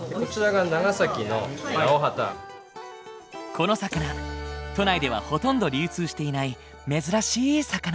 この魚都内ではほとんど流通していない珍しい魚。